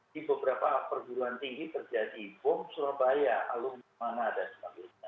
di beberapa perjalanan tinggi terjadi bom surabaya alunmana dan sebagainya